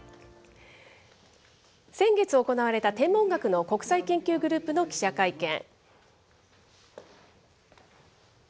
先月行われた天文学の国際研究グループの記者会見。